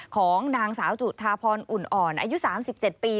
ของนางสาวจุธาพรอุ่นอ่อนอายุ๓๗ปี